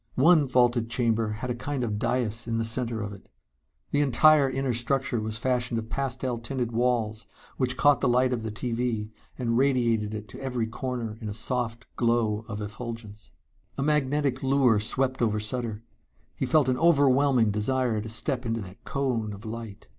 One vaulted chamber had a kind of dais in the center of it. The entire inner structure was fashioned of pastel tinted walls which caught the light of the TV and radiated it to every corner in a soft glow of effulgence. A magnetic lure swept over Sutter. He felt an overwhelming desire to step into that cone of light....